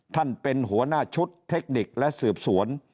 ท่านเป็นหัวหน้าชุดเทคนิคและสืบสวน